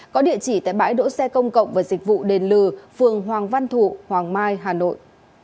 có địa chỉ tại bãi đỗ xe công cộng và dịch vụ đền lừ phường hoàng văn thụ hoàng mai hà nội